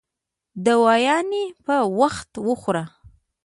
دوايانې په وخت خوره